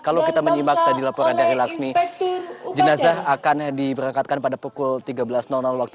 kalau kita menyimak tadi laporan dari laksmi jenazah akan diberangkatkan pada pukul tiga belas waktu